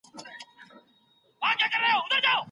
تاسو په کمپيوټر پوهنه کي څومره پوهه لرئ؟